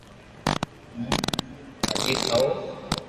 ھون ڀاجي کاوُ